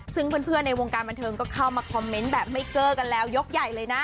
ซึ่งเพื่อนในวงการบันเทิงก็เข้ามาคอมเมนต์แบบไม่เกอร์กันแล้วยกใหญ่เลยนะ